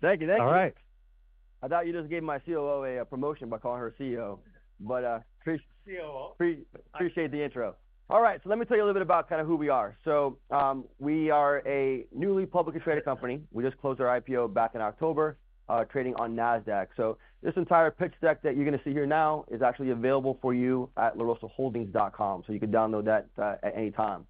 Thank you. Thank you. All right. I thought you just gave my COO a promotion by calling her CEO, but, appreciate- COO? I appreciate the intro. All right, so let me tell you a little bit about kind of who we are, so we are a newly publicly traded company. We just closed our IPO back in October, trading on Nasdaq, so this entire pitch deck that you're going to see here now is actually available for you at larosaholdings.com. So you can download that, at any time,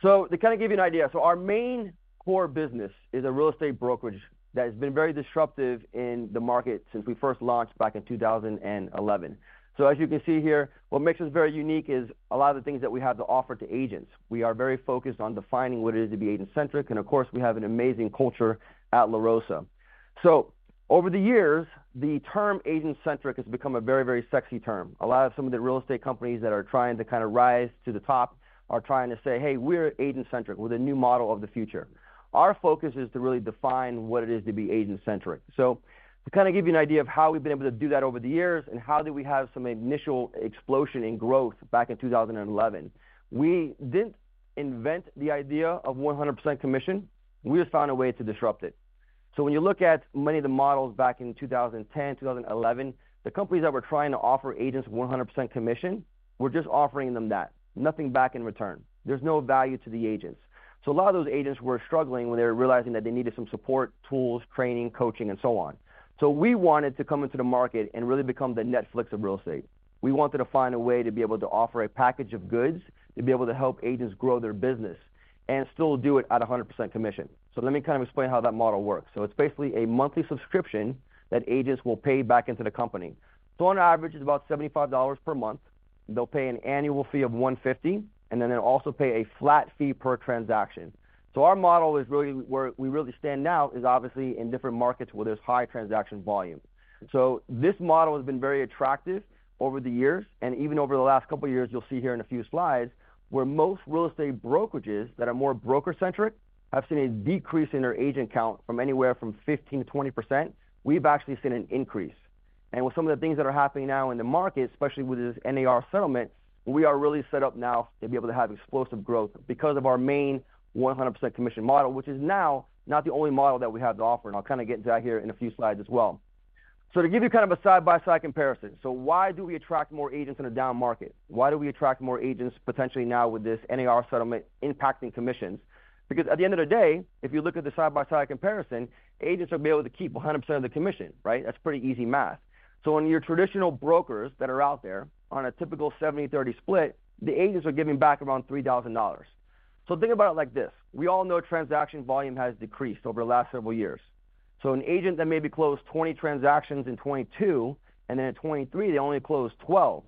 so to kind of give you an idea, so our main core business is a real estate brokerage that has been very disruptive in the market since we first launched back in 2011, so as you can see here, what makes us very unique is a lot of the things that we have to offer to agents. We are very focused on defining what it is to be agent-centric, and of course, we have an amazing culture at La Rosa. So over the years, the term agent-centric has become a very, very sexy term. A lot of some of the real estate companies that are trying to kind of rise to the top are trying to say, "Hey, we're agent-centric. We're the new model of the future." Our focus is to really define what it is to be agent-centric. So to kind of give you an idea of how we've been able to do that over the years, and how did we have some initial explosion in growth back in 2011, we didn't invent the idea of 100% commission. We just found a way to disrupt it. When you look at many of the models back in 2010, 2011, the companies that were trying to offer agents 100% commission were just offering them that, nothing back in return. There's no value to the agents. A lot of those agents were struggling when they were realizing that they needed some support, tools, training, coaching, and so on. We wanted to come into the market and really become the Netflix of real estate. We wanted to find a way to be able to offer a package of goods, to be able to help agents grow their business and still do it at a 100% commission. Let me kind of explain how that model works. It's basically a monthly subscription that agents will pay back into the company. So on average, it's about $75 per month. They'll pay an annual fee of $150, and then they'll also pay a flat fee per transaction. So our model is really where we really stand now, is obviously in different markets where there's high transaction volume. So this model has been very attractive over the years and even over the last couple of years, you'll see here in a few slides, where most real estate brokerages that are more broker-centric have seen a decrease in their agent count from anywhere from 15% to 20%, we've actually seen an increase. And with some of the things that are happening now in the market, especially with this NAR settlement, we are really set up now to be able to have explosive growth because of our main 100% commission model, which is now not the only model that we have to offer. And I'll kind of get to that here in a few slides as well. So to give you kind of a side-by-side comparison, so why do we attract more agents in a down market? Why do we attract more agents, potentially now with this NAR settlement impacting commissions? Because at the end of the day, if you look at the side-by-side comparison, agents will be able to keep 100% of the commission, right? That's pretty easy math. So when your traditional brokers that are out there on a typical 70/30 split, the agents are giving back around $3,000. So think about it like this: We all know transaction volume has decreased over the last several years. So an agent that maybe closed 20 transactions in 2022, and then in 2023, they only closed 12.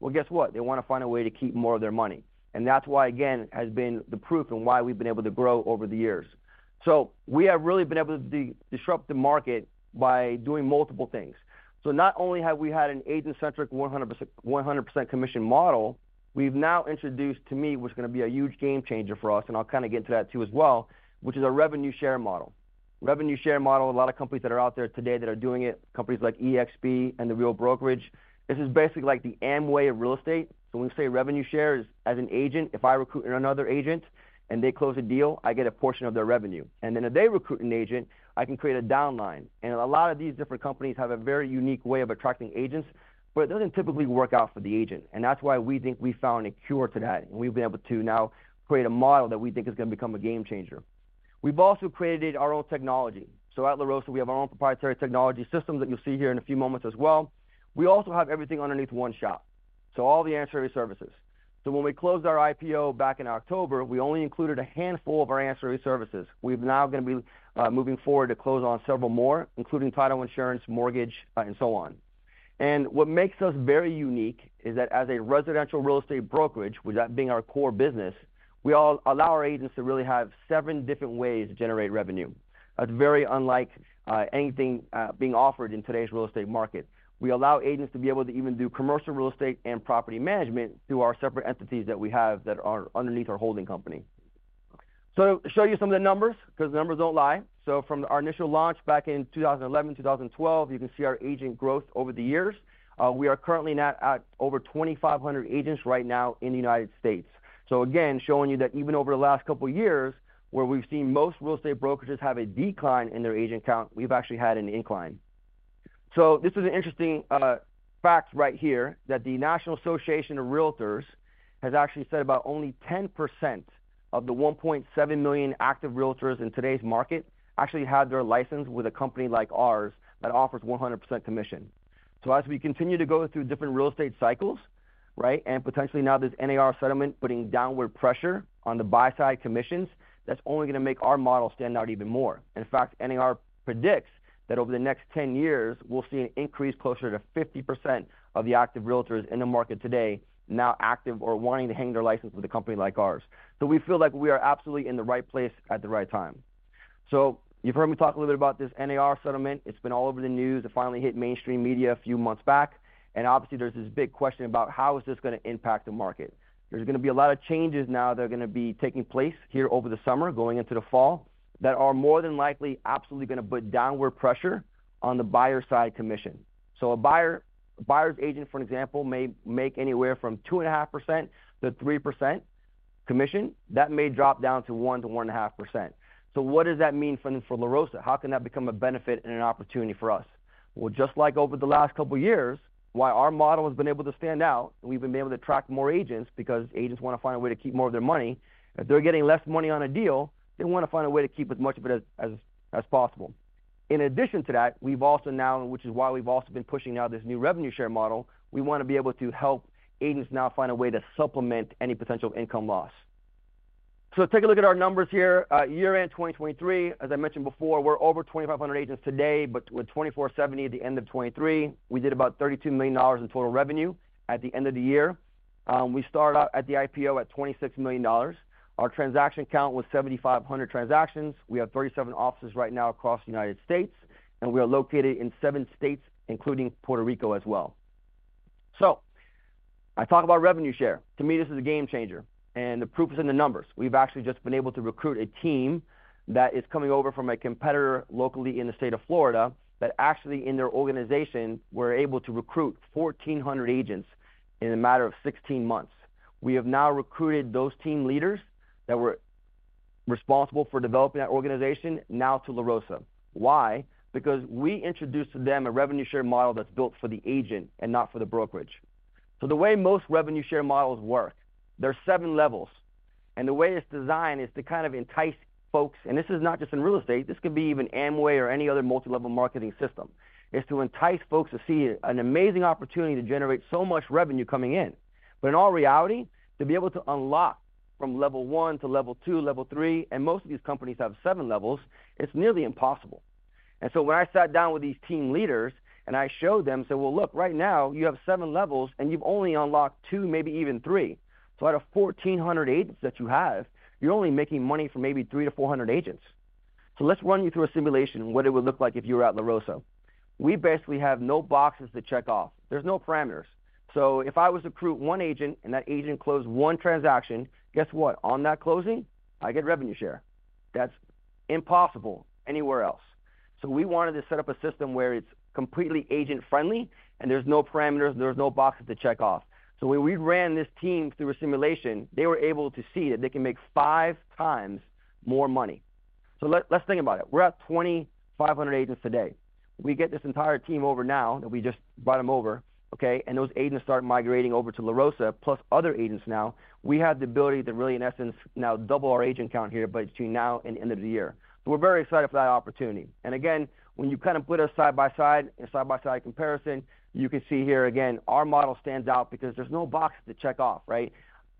Well, guess what? They want to find a way to keep more of their money, and that's why, again, has been the proof and why we've been able to grow over the years. So we have really been able to de-disrupt the market by doing multiple things. So not only have we had an agent-centric 100%, 100% commission model, we've now introduced to me what's going to be a huge game changer for us, and I'll kind of get into that, too, as well, which is a revenue share model. Revenue share model, a lot of companies that are out there today that are doing it, companies like eXp and The Real Brokerage, this is basically like the Amway of real estate. So when you say revenue shares, as an agent, if I recruit another agent and they close a deal, I get a portion of their revenue, and then if they recruit an agent, I can create a downline. And a lot of these different companies have a very unique way of attracting agents, but it doesn't typically work out for the agent. And that's why we think we found a cure to that, and we've been able to now create a model that we think is going to become a game changer. We've also created our own technology. So at La Rosa, we have our own proprietary technology system that you'll see here in a few moments as well. We also have everything underneath one shop, so all the ancillary services. So when we closed our IPO back in October, we only included a handful of our ancillary services. We've now going to be moving forward to close on several more, including title insurance, mortgage, and so on. And what makes us very unique is that as a residential real estate brokerage, with that being our core business, we allow our agents to really have seven different ways to generate revenue. That's very unlike anything being offered in today's real estate market. We allow agents to be able to even do commercial real estate and property management through our separate entities that we have that are underneath our holding company. So to show you some of the numbers because numbers don't lie, so from our initial launch back in 2011, 2012, you can see our agent growth over the years. We are currently now at over 2,500 agents right now in the United States, so again showing you that even over the last couple of years, where we've seen most real estate brokerages have a decline in their agent count, we've actually had an incline. This is an interesting fact right here, that the National Association of Realtors has actually said about only 10% of the 1.7 million active Realtors in today's market actually have their license with a company like ours that offers 100% commission. So as we continue to go through different real estate cycles, right, and potentially now this NAR settlement, putting downward pressure on the buy-side commissions, that's only going to make our model stand out even more. In fact, NAR predicts that over the next 10 years, we'll see an increase closer to 50% of the active Realtors in the market today, now active or wanting to hang their license with a company like ours. So we feel like we are absolutely in the right place at the right time. So you've heard me talk a little bit about this NAR settlement. It's been all over the news. It finally hit mainstream media a few months back, and obviously, there's this big question about how is this going to impact the market? There's going to be a lot of changes now that are going to be taking place here over the summer, going into the fall, that are more than likely absolutely going to put downward pressure on the buyer side commission. So a buyer, a buyer's agent, for example, may make anywhere from 2.5%-3% commission, that may drop down to 1%-1.5%. So what does that mean for La Rosa? How can that become a benefit and an opportunity for us? Just like over the last couple of years, why our model has been able to stand out, and we've been able to attract more agents because agents want to find a way to keep more of their money. If they're getting less money on a deal, they want to find a way to keep as much of it as possible. In addition to that, we've also now, which is why we've also been pushing out this new revenue share model. We want to be able to help agents now find a way to supplement any potential income loss. So take a look at our numbers here. Year-end 2023, as I mentioned before, we're over 2,500 agents today, but with 2,470 at the end of 2023. We did about $32 million in total revenue at the end of the year. We started out at the IPO at $26 million. Our transaction count was 7,500 transactions. We have 37 offices right now across the United States, and we are located in seven states, including Puerto Rico as well. So I talk about revenue share. To me, this is a game changer, and the proof is in the numbers. We've actually just been able to recruit a team that is coming over from a competitor locally in the state of Florida, that actually, in their organization, were able to recruit 1,400 agents in a matter of 16 months. We have now recruited those team leaders that were responsible for developing that organization now to La Rosa. Why? Because we introduced to them a revenue share model that's built for the agent and not for the brokerage. So the way most revenue share models work, there are seven levels, and the way it's designed is to kind of entice folks, and this is not just in real estate, this could be even Amway or any other multi-level marketing system, is to entice folks to see an amazing opportunity to generate so much revenue coming in. But in all reality, to be able to unlock from level one to level two, level three, and most of these companies have seven levels, it's nearly impossible. And so when I sat down with these team leaders and I showed them, said: "Well, look, right now you have seven levels, and you've only unlocked two, maybe even three. So out of 1,400 agents that you have, you're only making money for maybe 300-400 agents. So let's run you through a simulation, what it would look like if you were at La Rosa. We basically have no boxes to check off. There's no parameters. So if I was to recruit one agent and that agent closed one transaction, guess what? On that closing, I get revenue share. That's impossible anywhere else. So we wanted to set up a system where it's completely agent-friendly and there's no parameters, there's no boxes to check off. So when we ran this team through a simulation, they were able to see that they can make five times more money. Let's think about it. We're at 2,500 agents today. We get this entire team over now, that we just brought them over, okay, and those agents start migrating over to La Rosa, plus other agents now. We have the ability to really, in essence, now double our agent count here between now and the end of the year. We're very excited for that opportunity. Again, when you kind of put us side by side, in a side-by-side comparison, you can see here again, our model stands out because there's no box to check off, right?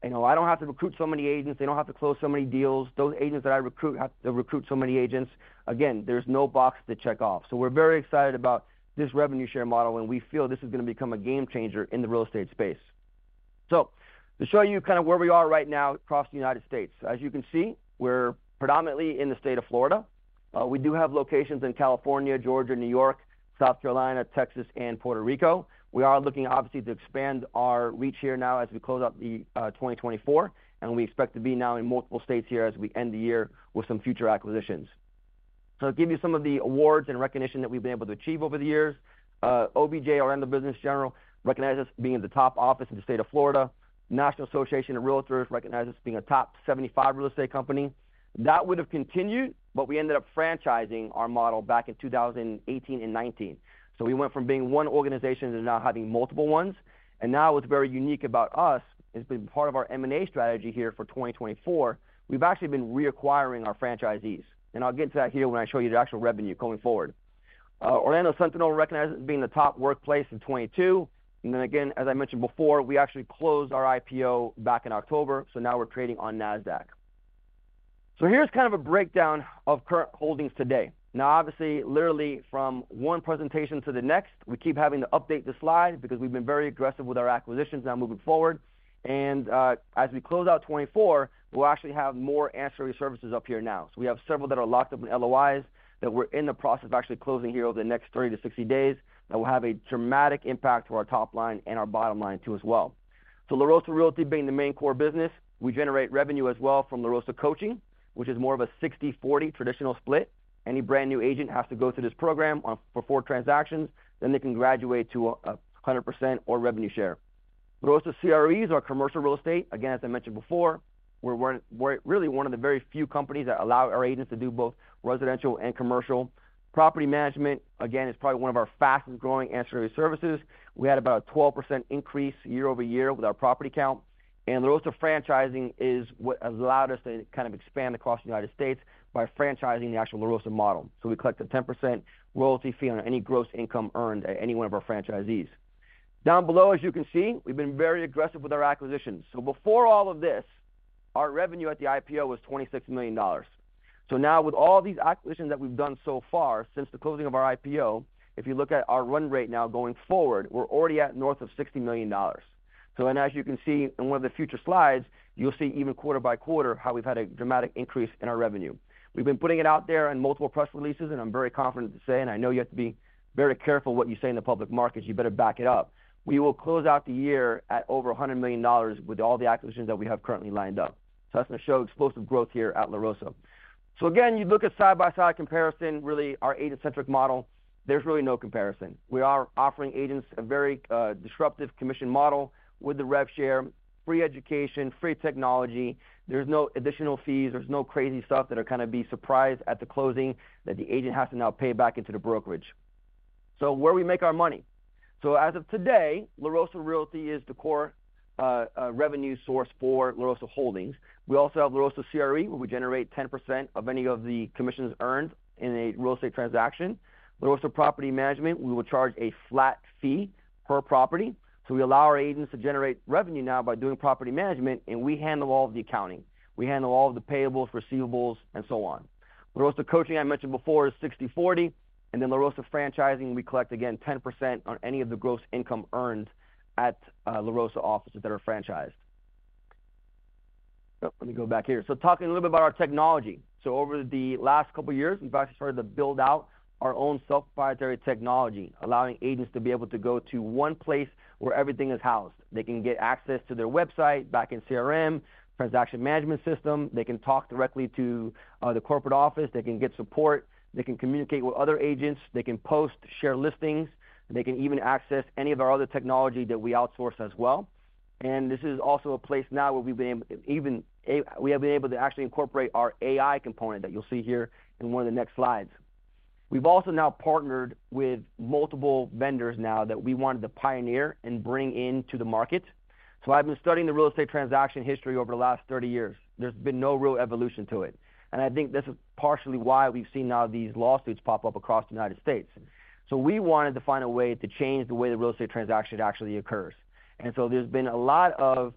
You know, I don't have to recruit so many agents. They don't have to close so many deals. Those agents that I recruit have to recruit so many agents. Again, there's no box to check off. We're very excited about this revenue share model, and we feel this is going to become a game changer in the real estate space. So to show you kind of where we are right now across the United States, as you can see, we're predominantly in the state of Florida. We do have locations in California, Georgia, New York, South Carolina, Texas and Puerto Rico. We are looking, obviously, to expand our reach here now as we close out the 2024, and we expect to be now in multiple states here as we end the year with some future acquisitions. So to give you some of the awards and recognition that we've been able to achieve over the years, OBJ, or Orlando Business Journal, recognized us being the top office in the state of Florida. National Association of Realtors recognized us being a top 75 real estate company. That would have continued, but we ended up franchising our model back in 2018 and 2019. So we went from being one organization to now having multiple ones, and now what's very unique about us is being part of our M&A strategy here for 2024. We've actually been reacquiring our franchisees, and I'll get to that here when I show you the actual revenue going forward. Orlando Sentinel recognized us being the top workplace in 2022. And then again, as I mentioned before, we actually closed our IPO back in October, so now we're trading on Nasdaq. So here's kind of a breakdown of current holdings today. Now, obviously, literally from one presentation to the next, we keep having to update the slide because we've been very aggressive with our acquisitions now moving forward. And, as we close out 2024, we'll actually have more ancillary services up here now. So we have several that are locked up in LOIs, that we're in the process of actually closing here over the next 30-60 days. That will have a dramatic impact to our top line and our bottom line, too, as well. So La Rosa Realty being the main core business, we generate revenue as well from La Rosa Coaching, which is more of a 60/40 traditional split. Any brand new agent has to go through this program for four transactions, then they can graduate to a 100% or revenue share. La Rosa CRE is our commercial real estate. Again, as I mentioned before, we're really one of the very few companies that allow our agents to do both residential and commercial. Property management, again, is probably one of our fastest-growing ancillary services. We had about a 12% increase year-over-year with our property count. And La Rosa Franchising is what has allowed us to kind of expand across the United States by franchising the actual La Rosa model. So we collect a 10% royalty fee on any gross income earned at any one of our franchisees. Down below, as you can see, we've been very aggressive with our acquisitions. So before all of this, our revenue at the IPO was $26 million. So now with all these acquisitions that we've done so far since the closing of our IPO, if you look at our run rate now going forward, we're already at north of $60 million. So and as you can see in one of the future slides, you'll see even quarter by quarter how we've had a dramatic increase in our revenue. We've been putting it out there in multiple press releases, and I'm very confident to say, and I know you have to be very careful what you say in the public markets, you better back it up. We will close out the year at over $100 million with all the acquisitions that we have currently lined up. So that's going to show explosive growth here at La Rosa. So again, you look at side-by-side comparison, really, our agent-centric model, there's really no comparison. We are offering agents a very disruptive commission model with the rev share, free education, free technology. There's no additional fees, there's no crazy stuff that they're kinda gonna be surprised at the closing that the agent has to now pay back into the brokerage. So where we make our money? So as of today, La Rosa Realty is the core revenue source for La Rosa Holdings. We also have La Rosa CRE, where we generate 10% of any of the commissions earned in a real estate transaction. La Rosa Property Management, we will charge a flat fee per property, so we allow our agents to generate revenue now by doing property management, and we handle all of the accounting. We handle all of the payables, receivables, and so on. La Rosa Coaching, I mentioned before, is 60/40, and then La Rosa Franchising, we collect, again, 10% on any of the gross income earned at La Rosa offices that are franchised. Let me go back here. So talking a little bit about our technology. So over the last couple of years, we've actually started to build out our own self-proprietary technology, allowing agents to be able to go to one place where everything is housed. They can get access to their website, back-end CRM, transaction management system, they can talk directly to the corporate office, they can get support, they can communicate with other agents, they can post, share listings, and they can even access any of our other technology that we outsource as well. And this is also a place now where we have been able to actually incorporate our AI component that you'll see here in one of the next slides. We've also now partnered with multiple vendors now that we wanted to pioneer and bring into the market. So I've been studying the real estate transaction history over the last thirty years. There's been no real evolution to it, and I think this is partially why we've seen now these lawsuits pop up across the United States, so we wanted to find a way to change the way the real estate transaction actually occurs, and so there's been a lot of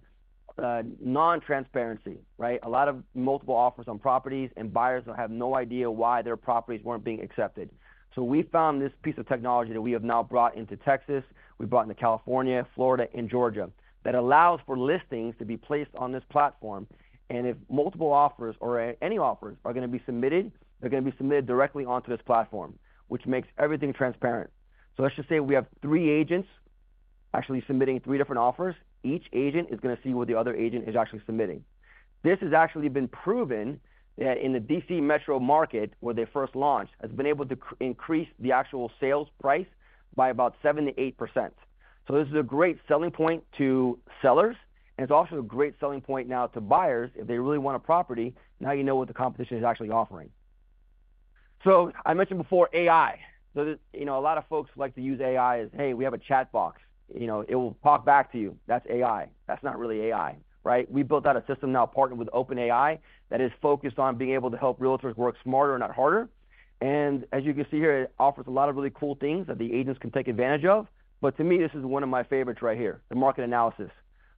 non-transparency, right? A lot of multiple offers on properties, and buyers will have no idea why their properties weren't being accepted, so we found this piece of technology that we have now brought into Texas, we brought into California, Florida, and Georgia, that allows for listings to be placed on this platform, and if multiple offers or any offers are gonna be submitted, they're gonna be submitted directly onto this platform, which makes everything transparent, so let's just say we have three agents actually submitting three different offers. Each agent is gonna see what the other agent is actually submitting. This has actually been proven that in the DC Metro market, where they first launched, has been able to increase the actual sales price by about 7%-8%. So this is a great selling point to sellers, and it's also a great selling point now to buyers if they really want a property, now you know what the competition is actually offering. So I mentioned before AI. So, you know, a lot of folks like to use AI as, "Hey, we have a chat box." You know, it will pop back to you. That's AI. That's not really AI, right? We built out a system now partnered with OpenAI, that is focused on being able to help Realtors work smarter and not harder. As you can see here, it offers a lot of really cool things that the agents can take advantage of. To me, this is one of my favorites right here, the market analysis.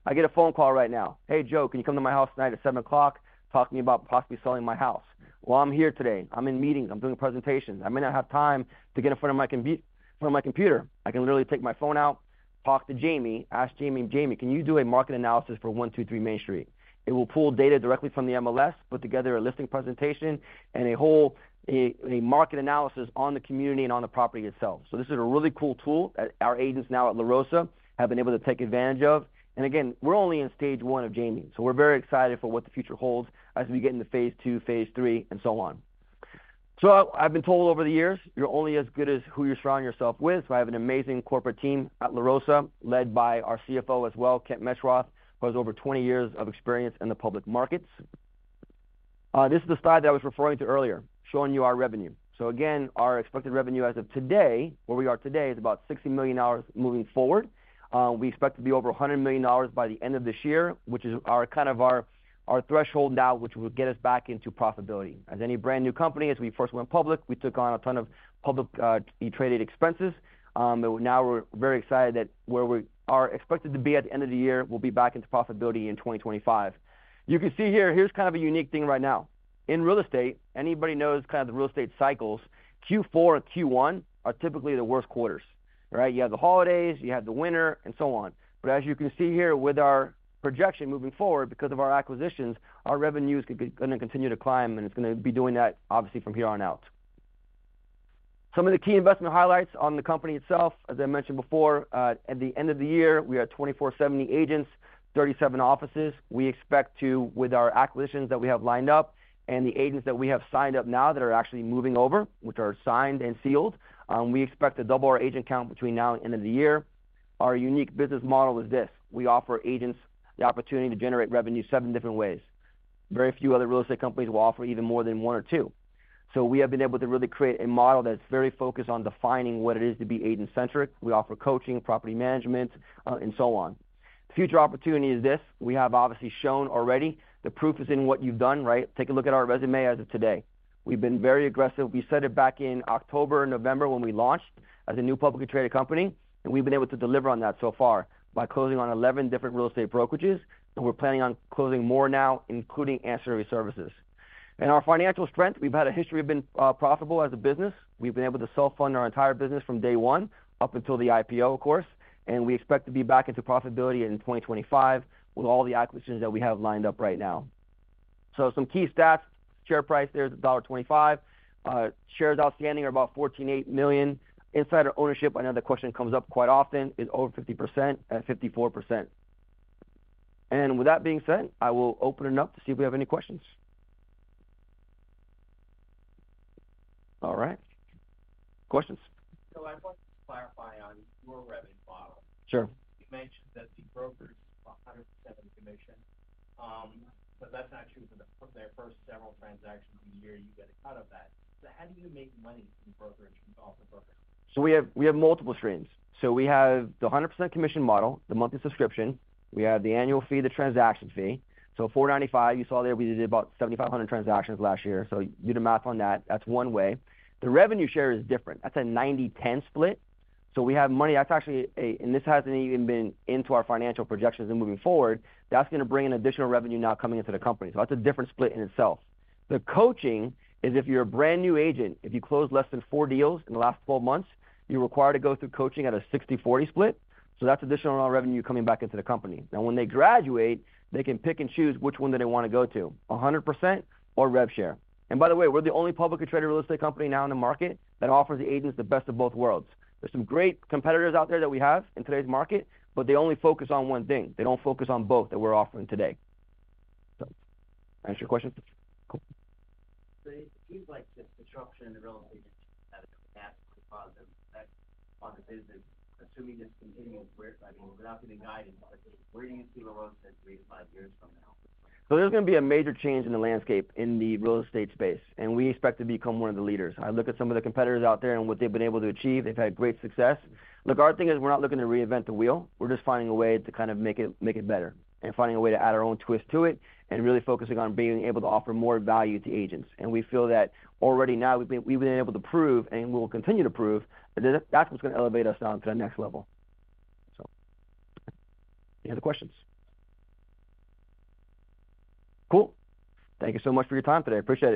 I get a phone call right now: "Hey, Joe, can you come to my house tonight at 7:00 P.M., talk to me about possibly selling my house?" I'm here today. I'm in meetings. I'm doing presentations. I may not have time to get in front of my computer. I can literally take my phone out, talk to JAIME, ask JAIME, "JAIME, can you do a market analysis for one two three Main Street?" It will pull data directly from the MLS, put together a listing presentation and a whole market analysis on the community and on the property itself. So this is a really cool tool that our agents now at La Rosa have been able to take advantage of. And again, we're only in stage one of JAIME, so we're very excited for what the future holds as we get into phase two, phase three, and so on. So I've been told over the years, you're only as good as who you surround yourself with. So I have an amazing corporate team at La Rosa, led by our CFO as well, Kent Maeroth, who has over 20 years of experience in the public markets. This is the slide that I was referring to earlier, showing you our revenue. So again, our expected revenue as of today, where we are today, is about $60 million moving forward. We expect to be over $100 million by the end of this year, which is our kind of threshold now, which will get us back into profitability. As any brand new company, as we first went public, we took on a ton of publicly traded expenses. Now we're very excited that where we are expected to be at the end of the year, we'll be back into profitability in 2025. You can see here, here's kind of a unique thing right now. In real estate, anybody knows kind of the real estate cycles, Q4 or Q1 are typically the worst quarters, right? You have the holidays, you have the winter, and so on. But as you can see here, with our projection moving forward, because of our acquisitions, our revenues are gonna continue to climb, and it's gonna be doing that obviously from here on out. Some of the key investment highlights on the company itself, as I mentioned before, at the end of the year, we had 2,470 agents, 37 offices. We expect to, with our acquisitions that we have lined up and the agents that we have signed up now that are actually moving over, which are signed and sealed, we expect to double our agent count between now and end of the year. Our unique business model is this: We offer agents the opportunity to generate revenue seven different ways. Very few other real estate companies will offer even more than one or two. So we have been able to really create a model that's very focused on defining what it is to be agent-centric. We offer coaching, property management, and so on. The future opportunity is this: We have obviously shown already the proof is in what you've done, right? Take a look at our resume as of today. We've been very aggressive. We said it back in October, November, when we launched as a new publicly traded company, and we've been able to deliver on that so far by closing on 11 different real estate brokerages, and we're planning on closing more now, including ancillary services. And our financial strength, we've had a history of being profitable as a business. We've been able to self-fund our entire business from day one up until the IPO, of course, and we expect to be back into profitability in 2025 with all the acquisitions that we have lined up right now. So some key stats, share price there is $1.25. Shares outstanding are about 14.8 million. Insider ownership, I know the question comes up quite often, is over 50%, at 54%. And with that being said, I will open it up to see if we have any questions. All right, questions? I want to clarify on your revenue model. Sure. You mentioned that the brokers are 100% commission, but that's not true for their first several transactions a year, you get a cut of that. So how do you make money from brokerage, from all the brokers? We have multiple streams. We have the 100% commission model, the monthly subscription, the annual fee, the transaction fee. $495, you saw there. We did about 7,500 transactions last year. Do the math on that. That's one way. The revenue share is different. That's a 90/10 split. We have money. That's actually, and this hasn't even been into our financial projections in moving forward. That's going to bring in additional revenue now coming into the company. That's a different split in itself. The coaching is if you're a brand-new agent, if you close less than four deals in the last 12 months, you're required to go through coaching at a 60/40 split. That's additional revenue coming back into the company. Now, when they graduate, they can pick and choose which one they want to go to, 100% or rev share. And by the way, we're the only publicly traded real estate company now in the market that offers the agents the best of both worlds. There's some great competitors out there that we have in today's market, but they only focus on one thing. They don't focus on both that we're offering today. So, answer your question? Cool. So, it seems like this disruption in the real estate, assuming this continues, where, I mean, without any guidance, where do you see Realogy three to five years from now? So there's going to be a major change in the landscape in the real estate space, and we expect to become one of the leaders. I look at some of the competitors out there and what they've been able to achieve. They've had great success. Look, our thing is, we're not looking to reinvent the wheel. We're just finding a way to kind of make it better, and finding a way to add our own twist to it, and really focusing on being able to offer more value to agents. And we feel that already now, we've been able to prove and we'll continue to prove that, that's what's going to elevate us now to the next level. So any other questions? Cool. Thank you so much for your time today. I appreciate it.